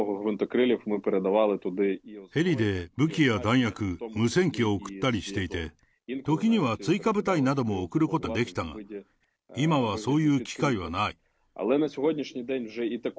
ヘリで武器や弾薬、無線機を送ったりしていて、時には追加部隊なども送ることができたが、今はそういう機会はない。